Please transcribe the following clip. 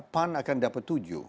pan akan dapat tujuh